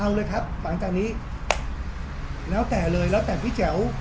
เอาเลยครับหลังจากนี้แล้วแต่เลยแล้วแต่พี่แจ๋ว